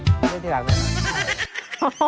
ไม่ใช่ที่รักไม่ใช่ที่รัก